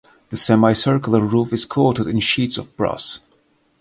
The semicircular roof is coated in sheets of brass.